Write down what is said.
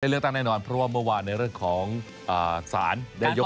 ได้เลือกตั้งแน่นอนเพราะว่าเมื่อวานในเรื่องของสาร